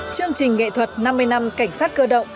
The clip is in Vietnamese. chương trình nghệ thuật năm mươi năm cảnh sát cơ động